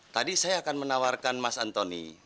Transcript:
tadi saya akan menawarkan mas antoni